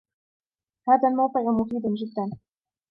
هذا الموقع مفيد جدا.